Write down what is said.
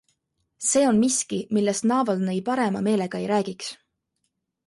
See on miski, millest Navalnõi parema meelega ei räägiks.